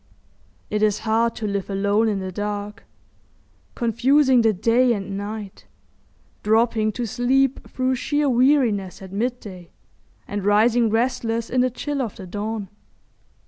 It is hard to live alone in the dark, confusing the day and night; dropping to sleep through sheer weariness at mid day, and rising restless in the chill of the dawn.